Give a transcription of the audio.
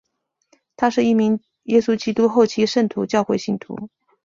他是一名耶稣基督后期圣徒教会信徒。